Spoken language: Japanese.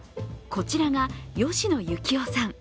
こちらが吉野征雄さん。